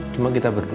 cuma kita berdua